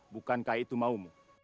bukankah itu maumu